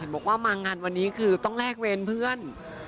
บอกว่ามางานวันนี้คือต้องแลกเวรเพื่อน